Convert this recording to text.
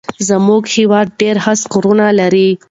زموږ هيواد ډېر هسک غرونه لري